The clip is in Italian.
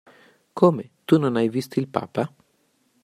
Come, tu non hai visto il papa?